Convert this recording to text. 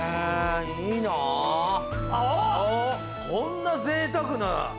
こんなぜいたくな。